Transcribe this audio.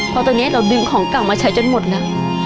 พอตอนนี้เราดึงของกล่องมาใช้จนหมดเนี่ย